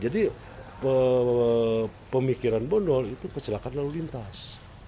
jadi pemikiran bondol itu kecelakaan lalu lintas